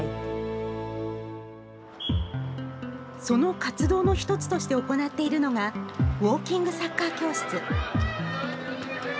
その活動の１つとして行っているのがウォーキングサッカー教室。